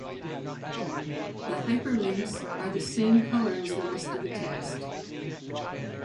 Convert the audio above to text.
The hyperlinks are the same color as the rest of the text.